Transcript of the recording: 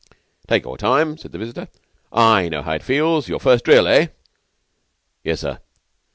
"Take your time," said the visitor. "I know how it feels. Your first drill eh?" "Yes, sir."